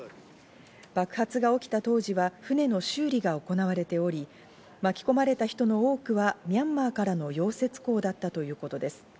爆発が起きた当時は船の修理が行われており、巻き込まれた人の多くはミャンマーからの溶接工だったということです。